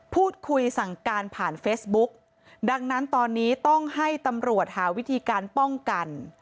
พูดคุยสั่งการผ่านเฟซบุ๊กดังนั้นตอนนี้ต้องให้ตำรวจหาวิธีการป้องกัน